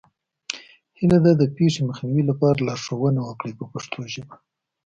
هیله ده د پېښې مخنیوي لپاره لارښوونه وکړئ په پښتو ژبه.